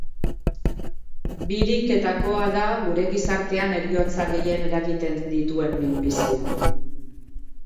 Biriketakoa da gure gizartean heriotza gehien eragiten dituen minbizia.